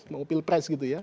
mau pil pres gitu ya